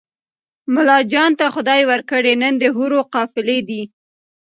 ملاجان ته خدای ورکړي نن د حورو قافلې دي